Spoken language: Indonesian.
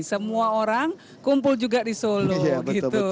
semua orang kumpul juga di solo gitu